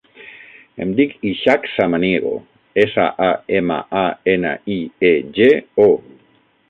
Em dic Ishak Samaniego: essa, a, ema, a, ena, i, e, ge, o.